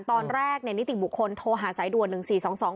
ตอนแรกในนิติบุคคลโทรหาสายด่วน๑๔๒๒